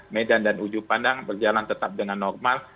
medan dan ujuk pandang berjalan tetap dengan normal